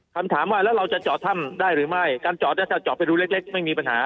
คำถามว่าแล้วเราจะเจาะถ้ำได้หรือไม่การจอดถ้าเจาะไปดูเล็กไม่มีปัญหา